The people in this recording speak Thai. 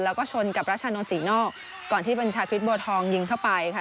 แล้วก็ชนกับรัชนนทศรีนอกก่อนที่บัญชาคริสบัวทองยิงเข้าไปค่ะ